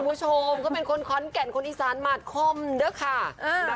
คุณผู้ชมก็เป็นคนขอนแก่นคนอีสานหมาดคมด้วยค่ะ